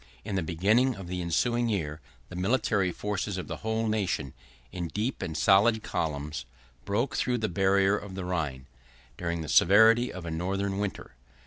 In the beginning of the ensuing year, the military force of the whole nation, in deep and solid columns, broke through the barrier of the Rhine, during the severity of a northern winter.